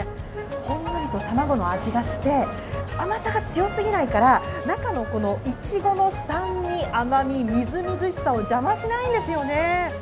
ほんのりと卵の味がして、甘さが強すぎないから中のいちごの酸味、甘み、みずみずしさを邪魔しないんですよね。